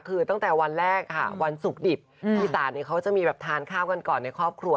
คือตั้งแต่วันแรกค่ะวันศุกร์ดิบอีสานเขาจะมีแบบทานข้าวกันก่อนในครอบครัว